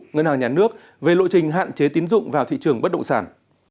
ngân hàng nhà nước về lộ trình hạn chế tín dụng vào thị trường bất động sản